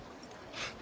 フッ。